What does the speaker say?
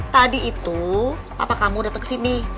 tadi itu papa kamu udah kesini